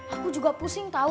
aku juga pusing tau